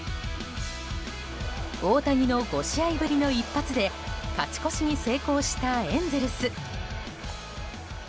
大谷の５試合ぶりの一発で勝ち越しに成功したエンゼルス。